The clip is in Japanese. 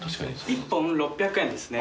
１本６００円ですね。